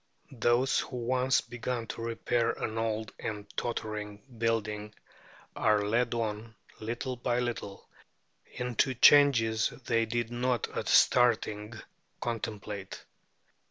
Those who once begin to repair an old and tottering building are led on, little by little, into changes they did not at starting contemplate.